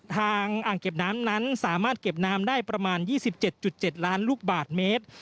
อ่างเก็บน้ำนั้นสามารถเก็บน้ำได้ประมาณ๒๗๗ล้านลูกบาทเมตร